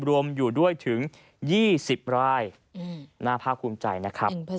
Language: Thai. รวมอยู่ด้วยถึง๒๐รายน่าภาคภูมิใจนะครับ